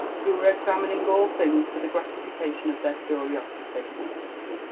who wece examining all things for the gratificalioa ol tbeiv OUfiosity.